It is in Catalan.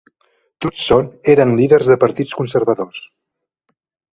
Tots són eren líders de partits conservadors.